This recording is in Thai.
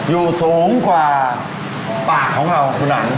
สูงกว่าปากของเราคุณอัน